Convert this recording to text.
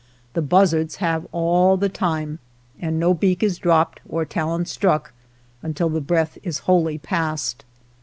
The buzzards have all the time, and no beak is dropped or talon struck un til the breath is wholly passed.